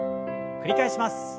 繰り返します。